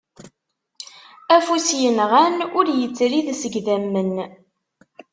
Afus yenɣan ur yettrid seg idammen.